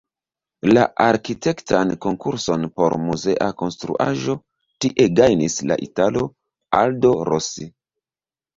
La arkitektan konkurson por muzea konstruaĵo tie gajnis la italo "Aldo Rossi".